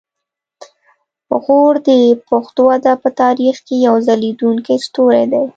غور د پښتو ادب په تاریخ کې یو ځلیدونکی ستوری دی